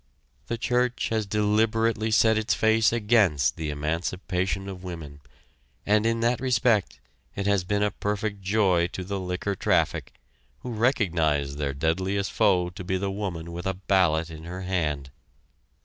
The church has deliberately set its face against the emancipation of women, and in that respect it has been a perfect joy to the liquor traffic, who recognize their deadliest foe to be the woman with a ballot in her hand.